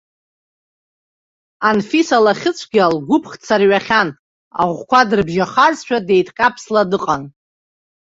Анфиса лахьыцәгьа лгәыԥхҭ сарҩахьан, аӷәқәа дрыбжьахазшәа деидҟьаԥсла дыҟан.